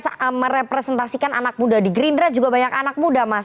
bagaimana merepresentasikan anak muda di gerindra juga banyak anak muda mas